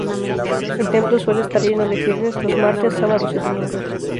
El templo suele estar lleno de fieles los martes, sábados y domingos.